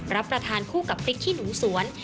รับประทานคู่กับพริกขี้หนูสวน